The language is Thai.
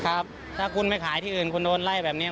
ครับถ้าคุณไปขายที่อื่นคุณโดนไล่แบบนี้